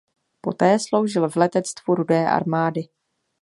Poté sloužil v letectvu Rudé armády.